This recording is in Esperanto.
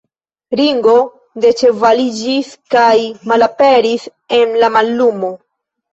Ringo deĉevaliĝis kaj malaperis en la mallumo.